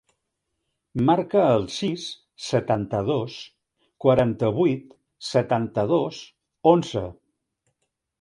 Marca el sis, setanta-dos, quaranta-vuit, setanta-dos, onze.